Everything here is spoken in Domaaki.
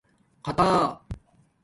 خطݳ